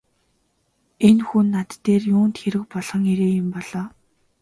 Энэ хүн над дээр юунд хэрэг болгон ирээ юм бол оо!